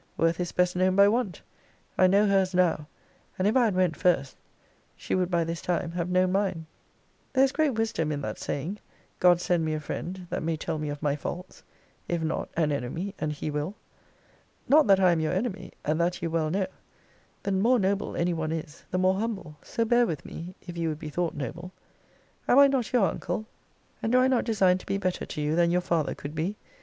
Worth is best known by want! I know her's now; and if I had went first, she would by this time have known mine. There is great wisdom in that saying, God send me a friend, that may tell me of my faults: if not, an enemy, and he will. Not that I am your enemy; and that you well know. The more noble any one is, the more humble; so bear with me, if you would be thought noble. Am I not your uncle? and do I not design to be better to you than your father could be?